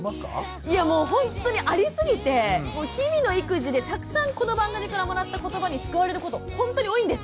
いやもうほんとにありすぎてもう日々の育児でたくさんこの番組からもらったことばに救われることほんとに多いんですけど。